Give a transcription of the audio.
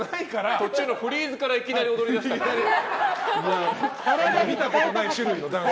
途中のフリーズからいきなり踊り出したから。